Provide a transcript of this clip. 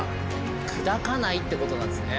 砕かないってことなんですね。